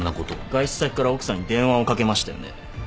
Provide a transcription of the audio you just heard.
外出先から奥さんに電話をかけましたよね。